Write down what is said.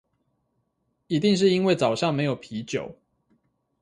一定是因為早上沒有啤酒